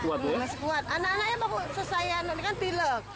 anak anaknya selesai kan dilek